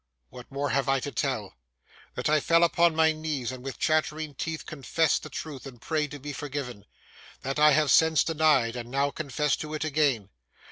What more have I to tell? That I fell upon my knees, and with chattering teeth confessed the truth, and prayed to be forgiven. That I have since denied, and now confess to it again.